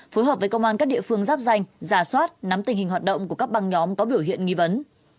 phối hợp với công an các địa phương giáp danh giả soát nắm tình hình hoạt động của các băng nhóm có biểu hiện nghi vấn